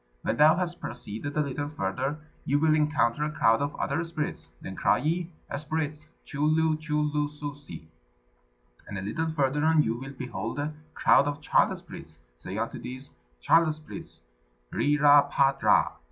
When thou hast proceeded a little further, you will encounter a crowd of other spirits; then cry ye, 'Spirits, chu lu chu lu ssosi!' And a little further on you will behold a crowd of child spirits: say unto these, 'Child spirits, Ri ra pa dra!'